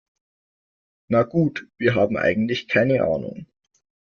Na gut, wir haben eigentlich keine Ahnung.